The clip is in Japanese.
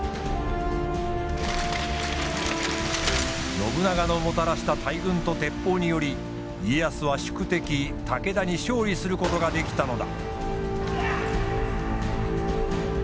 信長のもたらした大軍と鉄砲により家康は宿敵武田に勝利することができたのだ。